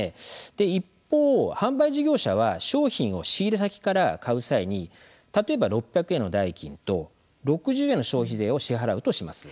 一方、販売事業者は商品を仕入れ先から買う際に例えば６００円の代金と６０円の消費税を支払うとします。